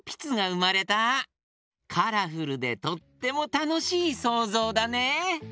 カラフルでとってもたのしいそうぞうだね。